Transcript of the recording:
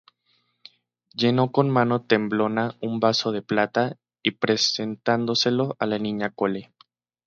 llenó con mano temblona un vaso de plata, y presentóselo a la Niña Chole